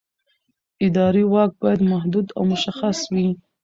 اداري واک باید محدود او مشخص وي.